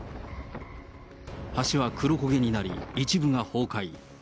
橋は黒焦げになり、一部が崩壊。